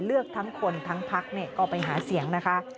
เลือกทั้งคนทั้งพักก็ไปหาเสียงนะคะ